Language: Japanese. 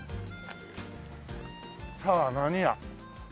さあ何屋？